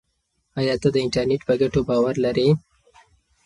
ایا ته د انټرنیټ په ګټو باور لرې؟